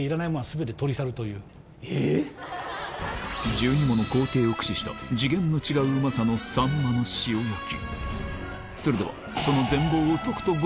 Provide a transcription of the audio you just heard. １２もの工程を駆使した次元の違ううまさのサンマの塩焼き